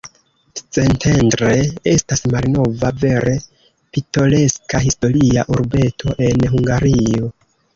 Szentendre estas malnova, vere pitoreska historia urbeto en Hungario.